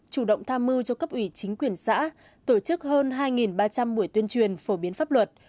chủ động tham mưu cho cấp ủy chính quyền xã tổ chức hơn hai ba trăm linh buổi tuyên truyền phổ biến pháp luật